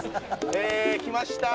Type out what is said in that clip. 来ました。